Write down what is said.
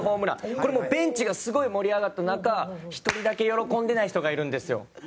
これ、もうベンチが、すごい盛り上がった中１人だけ喜んでない人がいるんですよ。